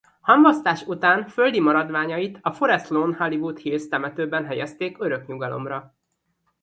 Hamvasztás után földi maradványait a Forest Lawn-Hollywood Hills temetőben helyezték örök nyugalomra.